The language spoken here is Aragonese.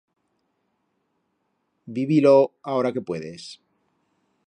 Vivi-lo aora que puedes!